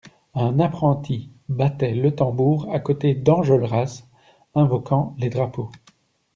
Un apprenti battait le tambour, à côté d'Enjolras invoquant les drapeaux.